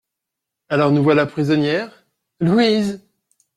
Alors, nous voilà prisonnières ? LOUISE.